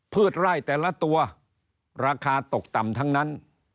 ไร่แต่ละตัวราคาตกต่ำทั้งนั้น